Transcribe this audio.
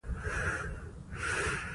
په افغانستان کې د تالابونه منابع شته.